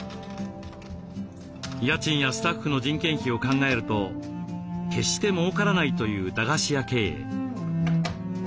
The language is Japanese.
家賃やスタッフの人件費を考えると決してもうからないという駄菓子屋経営。